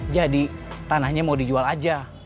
jadi tanahnya mau dijual aja